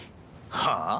はあ？